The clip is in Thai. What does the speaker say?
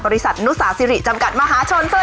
บริษัทนุสาสิริจำกัดมหาชนสวัสดีค่ะ